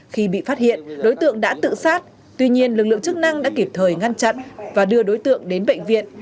khi bị phát hiện đối tượng đã tự sát tuy nhiên lực lượng chức năng đã kịp thời ngăn chặn và đưa đối tượng đến bệnh viện